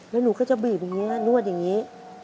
แล้วหนูก็จะบีบนวดอย่างนี้